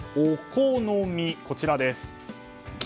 こちらです。